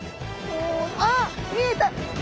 あっ見えた。